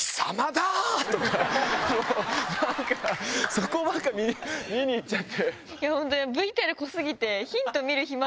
そこばっか見にいっちゃって。